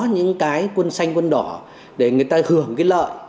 những cái quân xanh quân đỏ để người ta hưởng cái lợi